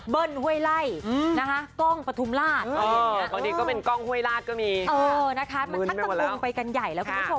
เบิร์นโหยไลนะคะเกอร์นปฐุมราชอีกอย่างเงี้ย